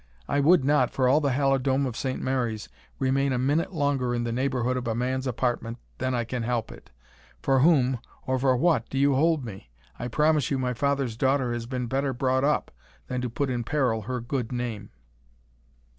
I would not, for all the Halidome of St. Mary's, remain a minute longer in the neighbourhood of a man's apartment than I can help it For whom, or for what do you hold me? I promise you my father's daughter has been better brought up than to put in peril her good name."